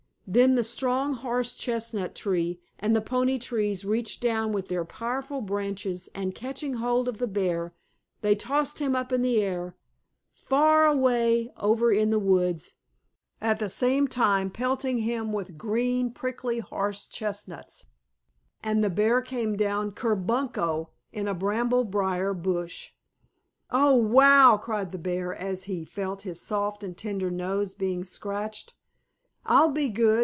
Then the strong horse chestnut tree and the pony trees reached down with their powerful branches and, catching hold of the bear, they tossed him up in the air, far away over in the woods, at the same time pelting him with green, prickly horse chestnuts, and the bear came down ker bunko in a bramble brier bush. "Oh, wow!" cried the bear, as he felt his soft and tender nose being scratched. "I'll be good!